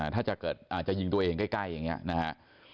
ถ้าจะเกิดอาจจะยิงตัวเองใกล้อย่างนี้นะฮะ